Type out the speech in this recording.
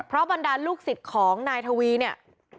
เพราะบรรดาลูกศิษย์ของนายทวีเนี่ย